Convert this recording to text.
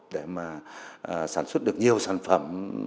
để mà sản xuất được nhiều sản phẩm